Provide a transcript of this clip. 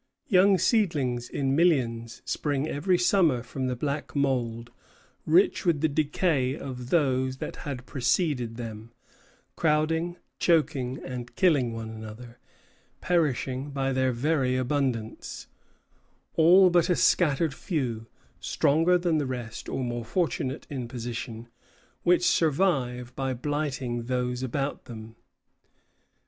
Young seedlings in millions spring every summer from the black mould, rich with the decay of those that had preceded them, crowding, choking, and killing one another, perishing by their very abundance, all but a scattered few, stronger than the rest, or more fortunate in position, which survive by blighting those about them.